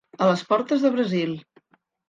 A les portes de Brasil.